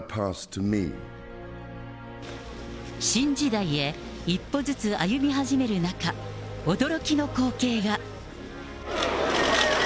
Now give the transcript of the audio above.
新時代へ、一歩ずつ歩み続ける中、驚きの光景が。